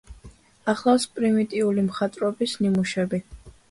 ახლავს პრიმიტიული მხატვრობის ნიმუშები.